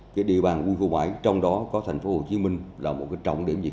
cái địa bàn quân khu bảy trong đó có thành phố hồ chí minh là một cái trọng điểm